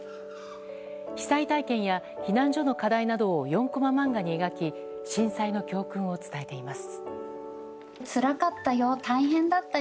被災体験や避難所の課題などを４コマ漫画に描き震災の教訓を伝えています。